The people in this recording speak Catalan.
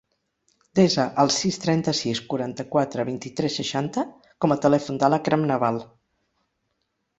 Desa el sis, trenta-sis, quaranta-quatre, vint-i-tres, seixanta com a telèfon de l'Akram Naval.